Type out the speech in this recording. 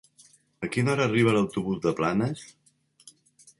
A quina hora arriba l'autobús de Planes?